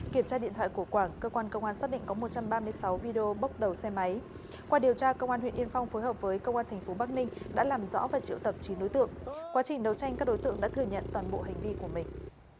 kiểm tra điện thoại của quảng cơ quan công an xác định có một trăm ba mươi sáu video bốc đầu xe máy qua điều tra công an huyện yên phong phối hợp với công an tp bắc ninh đã làm rõ và triệu tập chín đối tượng quá trình đấu tranh các đối tượng đã thừa nhận toàn bộ hành vi của mình